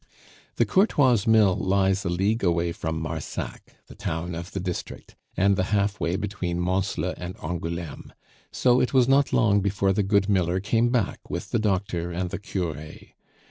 The Courtois' mill lies a league away from Marsac, the town of the district, and the half way between Mansle and Angouleme; so it was not long before the good miller came back with the doctor and the cure.